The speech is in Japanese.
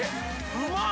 ◆うまい！